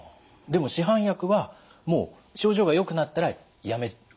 でも市販薬はもう症状がよくなったらやめる？